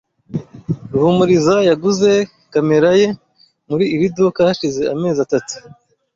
Ruhumuriza yaguze kamera ye muri iri duka hashize amezi atatu.